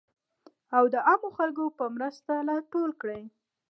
او د عامو خلکو په مرسته راټول کړي .